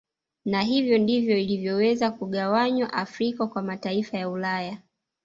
Na hivyo ndivyo ilivyoweza kugawanywa Afrika kwa mataifa ya Ulaya